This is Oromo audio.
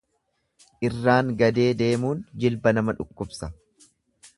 Irraan gadee deemuun jilba nama dhukkubsa.